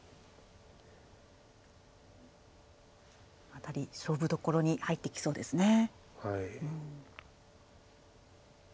この辺り勝負どころに入ってきそうですね。